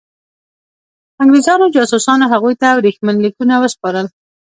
انګرېزانو جاسوسانو هغوی ته ورېښمین لیکونه وسپارل.